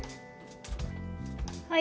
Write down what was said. はい。